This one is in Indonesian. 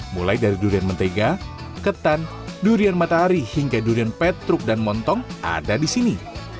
mulai dari durian mentega ketan durian matahari hingga durian petruk dan montong ada di sini